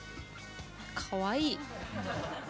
かわいい。